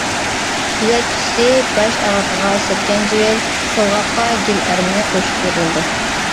تۈزەتكۈچىسى باش ئاغرىقىغا سىركەنجىۋىل، تولغاققا گىل ئەرمىنى قوشۇپ بېرىلىدۇ.